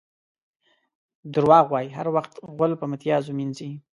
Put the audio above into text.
دروغ وایي؛ هر وخت غول په میتیازو مینځي.